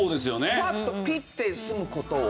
パッとピッて済む事を。